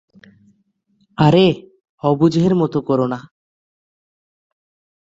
আরে, অবুঝের মতো কোরো না।